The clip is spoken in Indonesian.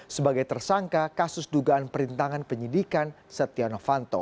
sebagai tersangka kasus dugaan perintangan penyidikan setia novanto